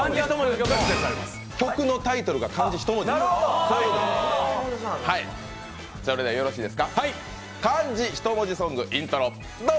曲のタイトルが漢字一文字です。